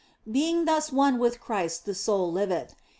Being thus one with Christ the soul liveth.